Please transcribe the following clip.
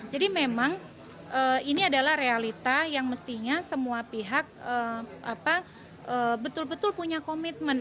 jadi memang ini adalah realita yang mestinya semua pihak betul betul punya komitmen